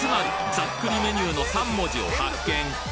ざっくりメニューの３文字を発見！